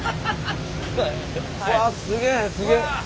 うわすげえすげえ。